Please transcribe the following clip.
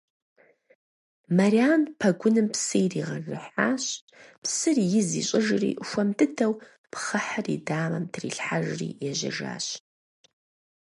Мэрян пэгуным псы иригъэжыхьащ, псыр из ищӀыжри хуэм дыдэу пхъэхьыр и дамэм трилъхьэжри ежьэжащ.